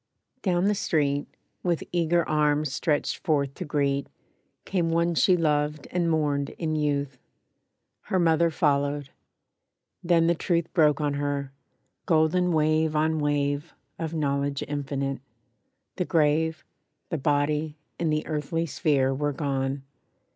Down the street, With eager arms stretched forth to greet, Came one she loved and mourned in youth; Her mother followed; then the truth Broke on her, golden wave on wave, Of knowledge infinite. The grave, The body and the earthly sphere Were gone!